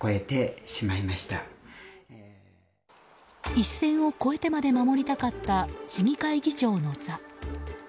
一線を越えてまで守りたかった市議会議長の座。